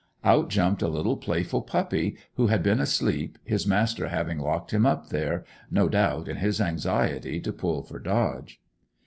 Out jumped a little playful puppy, who had been asleep, his master having locked him up in there, no doubt, in his anxiety to pull for Dodge.